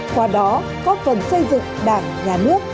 qua đó góp phần xây dựng đảng nhà nước